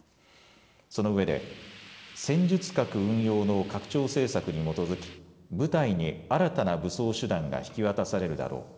そのうえで戦術核運用の拡張政策に基づき部隊に新たな武装手段が引き渡されるだろう。